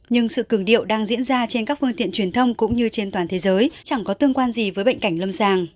nhưng sự cường điệu đang diễn ra trên các phương tiện truyền thông cũng như trên toàn thế giới chẳng có tương quan gì với bệnh cảnh lâm sàng